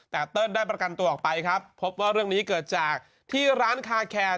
แต่เติ้ลได้ประกันตัวออกไปครับพบว่าเรื่องนี้เกิดจากที่ร้านคาแคร์